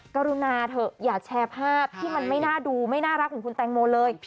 กรุณาเถอะอย่าแชร์ภาพที่มันไม่น่าดูไม่น่ารักของคุณแตงโมเลย